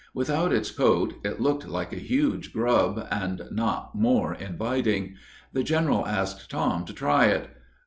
Without its coat it looked like a huge grub, and not more inviting. The general asked Tom to try it.